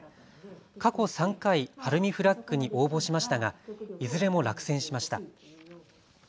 過去３回、晴海フラッグに応募しましたがいずれも落選しました。